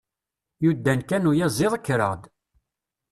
Yudan kan uyaziḍ, kkreɣ-d.